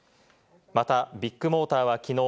またビッグモーターはきのう